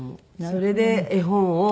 それで絵本を。